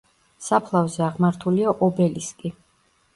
საფლავზე აღმართულია ობელისკი.